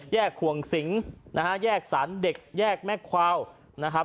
แยกขวงสิงห์นะฮะแยกฉันเด็กแยกแม่ขวาวนะครับ